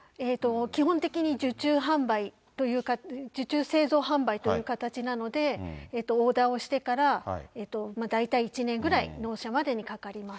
基本的に受注製造販売という形なので、オーダーをしてから大体１年ぐらい、納車までにかかります。